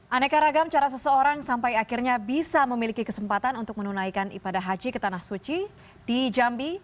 aneka ragam cara seseorang sampai akhirnya bisa memiliki kesempatan untuk menunaikan ibadah haji ke tanah suci di jambi